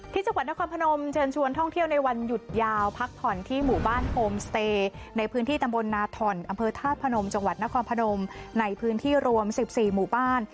ที่จังหวัดนครพนมเชิญชวนท่องเที่ยวในวันหยุดยาวพักผ่อนที่หมู่บ้านโฮมสเตย์ในพื้นที่ตำบลนาถ่อนอำเภอธาตุพนมจังหวัดนครพนมในพื้นที่รวม๑๔หมู่บ้าน